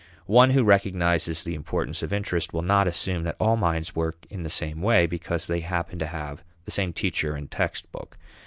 One who recognizes the importance of interest will not assume that all minds work in the same way because they happen to have the same teacher and textbook.